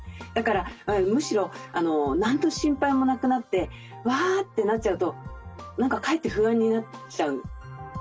だからむしろ何の心配もなくなってわってなっちゃうと何かかえって不安になっちゃう。